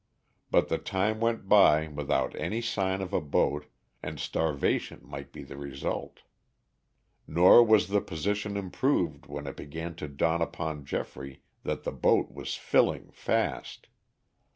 But the time went by without any sign of a boat and starvation might be the result. Nor was the position improved when it began to dawn upon Geoffrey that the boat was filling fast.